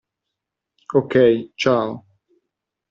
OK, ciao.